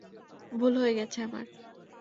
ভুল হয়ে গেছে আমার।